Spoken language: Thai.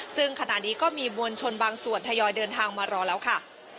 ซึ่งขณะนี้ก็มีมวลชนบางส่วนทยอยเดินทางมารอแล้วค่ะ